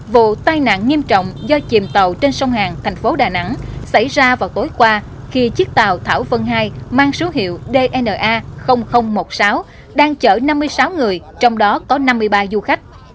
vụ tai nạn nghiêm trọng do chìm tàu trên sông hàng thành phố đà nẵng xảy ra vào tối qua khi chiếc tàu thảo vân hai mang số hiệu dna một mươi sáu đang chở năm mươi sáu người trong đó có năm mươi ba du khách